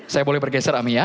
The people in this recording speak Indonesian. saya boleh bergeser ami ya